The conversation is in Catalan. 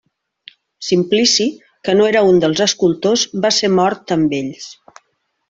Simplici, que no era un dels escultors, va ser mort amb ells.